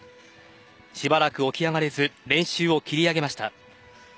しばらく起き上がれず練習を切り上げました。